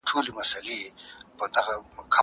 امام قرطبي د خلیفه په اړه وضاحت ورکړی دی.